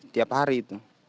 tiap hari itu